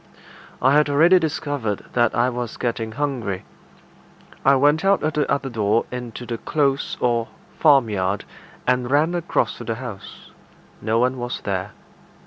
I had already discovered that I was getting hungry. I went out at the other door into the close or farmyard, and ran across to the house. No one was there.